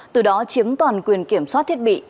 từ đó chiếm toàn quyền kiểm soát thiết bị